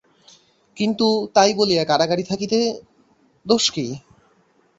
কিন্তু তাই বলিয়া কারাগারে থাকিতে দোষ কি?